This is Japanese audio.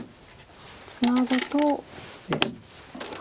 ツナぐと。